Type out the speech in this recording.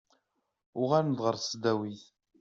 Uɣalen-d ɣer tesdawit.